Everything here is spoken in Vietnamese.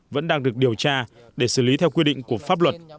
vẫn đang được điều tra để xử lý theo quy định của pháp luật